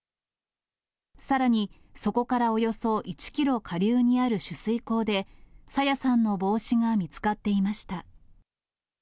さらに、そこからおよそ１キロ下流にある取水口で、朝芽さんの帽子が見つかっていました。